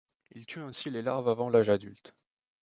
Il tue ainsi les larves avant l'âge adulte.